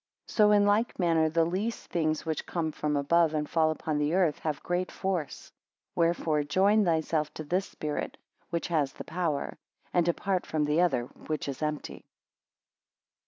17 So in like manner the least things which come from above, and fall upon the earth, have great force. Wherefore join thyself to this spirit, which has the power; and depart from the other which is empty.